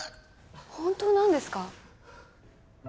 本当なんですか？